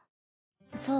そう。